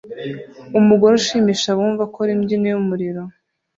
Umugore ushimisha abumva akora imbyino yumuriro